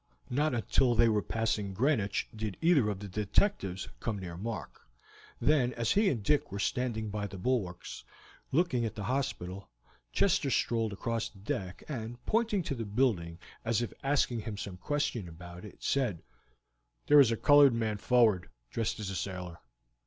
Not until they were passing Greenwich did either of the detectives come near Mark, then as he and Dick were standing by the bulwarks, looking at the hospital, Chester strolled across the deck and, pointing to the building as if asking him some question about it, said: "There is a colored man forward, dressed as a sailor."